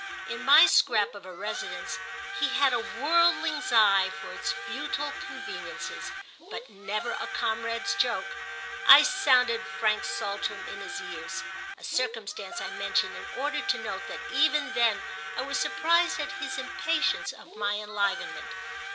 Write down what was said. In my scrap of a residence—he had a worldling's eye for its futile conveniences, but never a comrade's joke—I sounded Frank Saltram in his ears; a circumstance I mention in order to note that even then I was surprised at his impatience of my enlivenment.